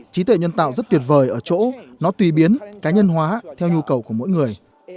trí tuệ nhân tạo rất tuyệt vời ở chỗ nó tùy biến cá nhân hóa theo nhu cầu của mỗi người